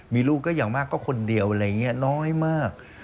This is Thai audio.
มีลูกก็อย่างมากก็คนเดียวอะไรอย่างนี้น้อยมาก